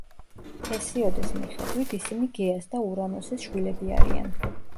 ჰესიოდეს მიხედვით ისინი გეას და ურანოსის შვილები არიან.